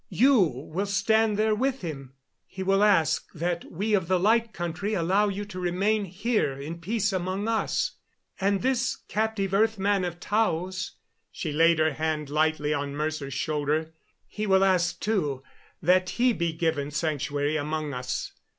You will stand there with him. He will ask that we of the Light Country allow you to remain here in peace among us. And this captive earth man of Tao's" she laid her hand lightly on Mercer's shoulder "he will ask, too, that he be given sanctuary among us.